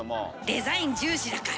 デザイン重視だから。